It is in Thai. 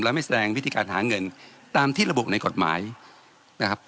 และไม่แสดงวิธีการหาเงินตามที่ระบุในกฎหมายนะครับ